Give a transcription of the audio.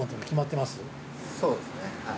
そうですねはい。